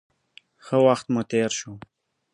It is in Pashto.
ښه وخت مو تېر شو.